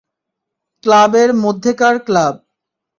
ক্লাবের মধ্যেকার ক্লাব।